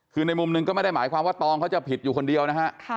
คือในมุมหนึ่งก็ไม่ได้หมายความว่าตองเขาจะผิดอยู่คนเดียวนะฮะ